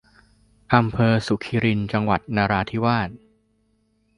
อำเภอสุคิริน จังหวัดนราธิวาส